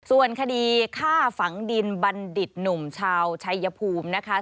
ส่วนคดีฆ่าฝังดินบัณฑิตหนุ่มชาวชัยภูมินะคะ